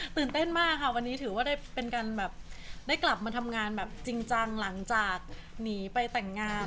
ตื่นเต้นมากค่ะวันนี้ถือว่าเป็นการแบบได้กลับมาทำงานแบบจริงจังหลังจากหนีไปแต่งงาน